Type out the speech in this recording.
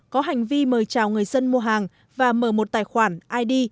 có hành vi mời chào người dân mua hàng và mở một tài khoản id